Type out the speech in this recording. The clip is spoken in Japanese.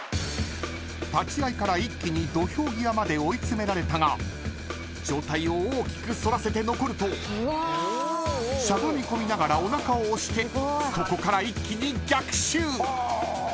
［立ち合いから一気に土俵際まで追い詰められたが上体を大きく反らせて残るとしゃがみ込みながらおなかを押してそこから一気に逆襲］